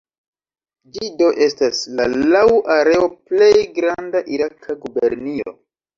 Ĝi do estas la laŭ areo plej granda iraka gubernio.